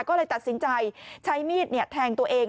ก็เลยตัดสินใจใช้มีดแทงตัวเอง